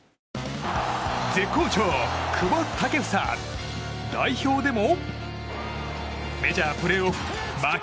絶好調、久保建英代表でも？